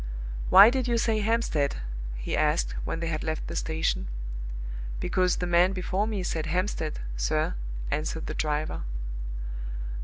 "Why did you say 'Hampstead'?" he asked, when they had left the station. "Because the man before me said 'Hampstead,' sir," answered the driver.